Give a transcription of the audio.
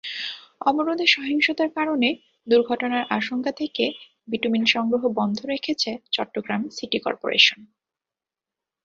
অবরোধে সহিংসতার কারণে দুর্ঘটনার আশঙ্কা থেকে বিটুমিন সংগ্রহ বন্ধ রেখেছে চট্টগ্রাম সিটি করপোরেশন।